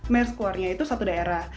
maresquare nya itu satu daerah